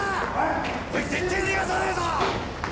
絶対逃がさねえぞ！